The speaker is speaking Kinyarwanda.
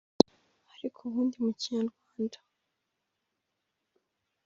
Ariko ubundi mu Kinyarwanda